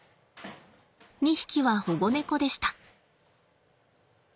２匹は保護猫でした。